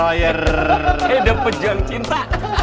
kehidupan perjuangan cinta